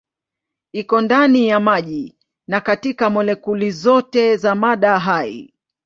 Iko ndani ya maji na katika molekuli zote za mada hai.